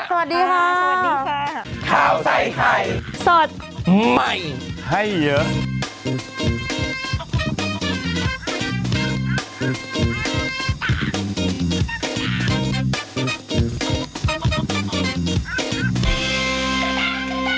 สวัสดีค่ะสวัสดีค่ะอ่าสวัสดีค่ะสวัสดีค่ะ